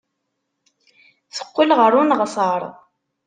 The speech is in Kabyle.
Teqqel ɣer uneɣsar.